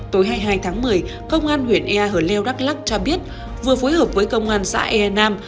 tối hai mươi hai tháng một mươi công an huyện ea hở leo đắk lắc cho biết vừa phối hợp với công an xã ea nam